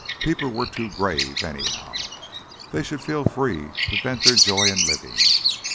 People were too grave, anyhow. They should feel free to vent their joy in living.